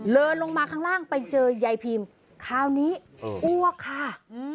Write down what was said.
เดินลงมาข้างล่างไปเจอยายพิมคราวนี้อ้วกค่ะ